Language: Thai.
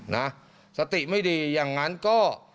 นะสติไม่ดีอย่างนั้นก็